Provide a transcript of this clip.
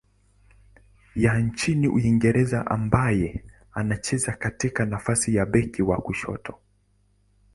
ya nchini Uingereza ambaye anacheza katika nafasi ya beki wa kushoto.